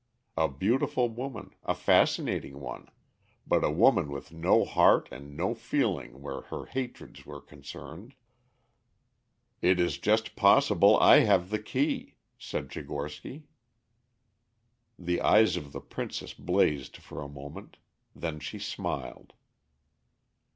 A beautiful woman, a fascinating one; but a woman with no heart and no feeling where her hatreds were concerned. "It is just possible I have the key," said Tchigorsky. The eyes of the Princess blazed for a moment. Then she smiled.